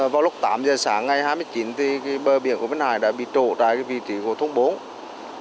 vào lúc tám giờ sáng ngày hai mươi chín thì bờ biển của vinh hải đã bị trộn tại vị trí của thúc bốn